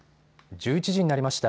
１１時になりました。